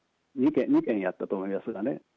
２件やったと思いますがね。